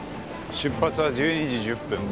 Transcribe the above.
出発は１２時１０分。